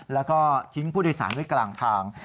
แล้วก็ทิ้งผู้โดยสารไว้กลางทาง